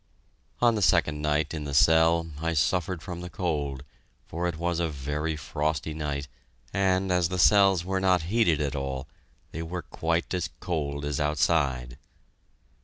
On the second night in the cell I suffered from the cold, for it was a very frosty night, and as the cells were not heated at all, they were quite as cold as outside.